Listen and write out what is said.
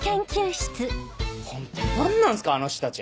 ホント何なんすかあの人たち！